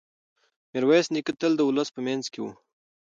میرویس نیکه تل د ولس په منځ کې و.